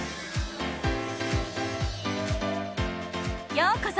ようこそ！